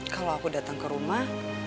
kalau aku datang ke rumah